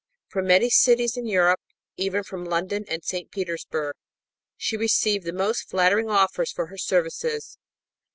From many cities in Europe, even from London and St. Petersburg, she received the most flattering offers for her services.